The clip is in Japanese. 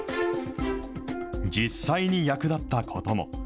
実際に役立ったことも。